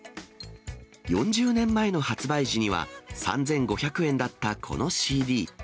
４０年前の発売時には３５００円だったこのＣＤ。